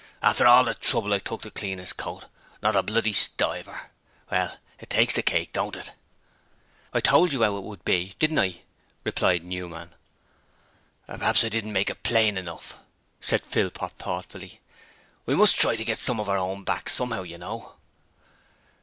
'After all the trouble I took to clean 'is coat! Not a bloody stiver! Well, it takes the cake, don't it?' 'I told you 'ow it would be, didn't I?' replied Newman. 'P'raps I didn't make it plain enough,' said Philpot, thoughtfully. 'We must try to get some of our own back somehow, you know.'